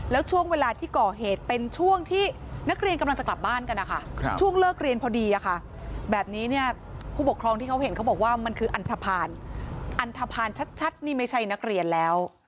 แล้วช่วงเวลาที่ก่อเหตุเป็นช่วงที่นักเรียนกำลังจะกลับบ้านกันนะคะ